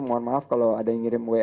mohon maaf kalau ada yang ngirim uang